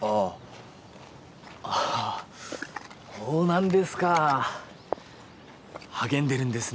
ああほうなんですか励んでるんですね